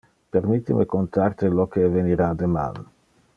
Permitte me contar te lo que evenira deman.